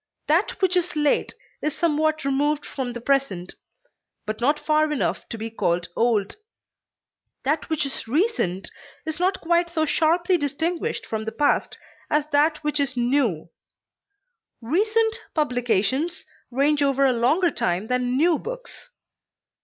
That which is late is somewhat removed from the present, but not far enough to be called old. That which is recent is not quite so sharply distinguished from the past as that which is new; recent publications range over a longer time than new books.